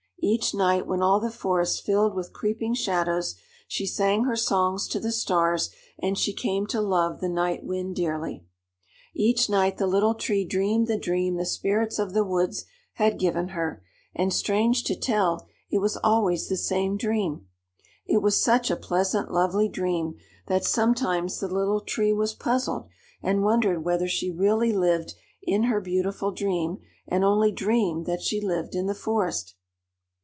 Each night, when all the forest filled with creeping shadows, she sang her songs to the Stars, and she came to love the Night Wind dearly. Each night the Little Tree dreamed the dream the Spirits of the Woods had given her, and strange to tell, it was always the same dream. It was such a pleasant, lovely dream that sometimes the Little Tree was puzzled, and wondered whether she really lived in her beautiful dream, and only dreamed that she lived in the forest.